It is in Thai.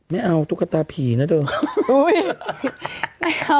ไม่เอาตุ๊กตาผีนะเดิม